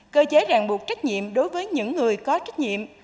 cơ chế ràng buộc trách nhiệm đối với những người có trách nhiệm